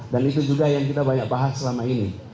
dan itu juga yang kita banyak bahas selama ini